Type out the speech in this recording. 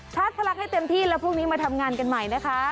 ทะลักให้เต็มที่แล้วพรุ่งนี้มาทำงานกันใหม่นะคะ